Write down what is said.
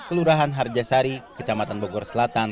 kelurahan harjasari kecamatan bogor selatan